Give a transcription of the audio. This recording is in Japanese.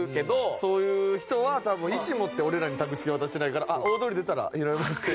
そういう人は多分意思持って俺らにタクチケ渡してないから「大通り出たら拾えます」って。